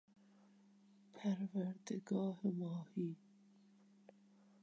پروردگاه ماهی